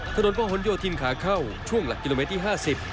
ถนนพ่อฮนโยทินขาเข้าช่วงหลักกิโลเมตรที่๕๐